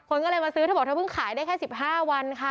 คนก็เลยมาซื้อเธอบอกเธอเพิ่งขายได้แค่๑๕วันค่ะ